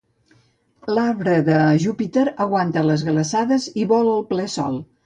L'Arbre de Júpiter aguanta les glaçades i vol el ple sol.